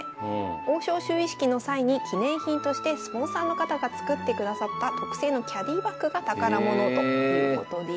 王将就位式の際に記念品としてスポンサーの方が作ってくださった特製のキャディバッグが宝物ということです。